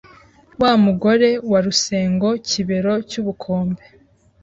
Wa mugore wa Rusengo Kibero cy’ubukombe,